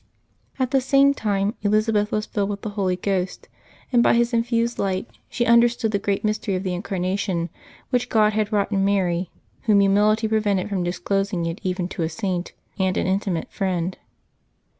At the same time Elizabeth was filled with the Holy Ghost, and by His in fused light she understood the great mystery of the Incar nation which God had wrought in Mary, whom humility prevented from disclosing it even to a Saint, and. an inti mate friend.